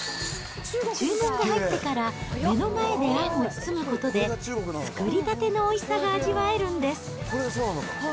注文が入ってから目の前であんを包むことで、作りたてのおいしさが味わえるんです。